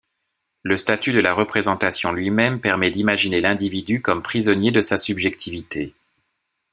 Le statut de la représentation lui-même permet d'imaginer l'individu comme prisonnier de sa subjectivité.